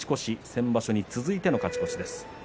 先場所に続いての勝ち越しです。